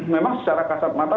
memang secara kasar mata